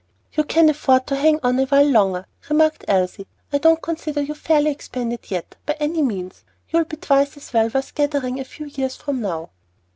"You can afford to hang on a while longer," remarked Elsie. "I don't consider you fairly expanded yet, by any means. You'll be twice as well worth gathering a few years from now."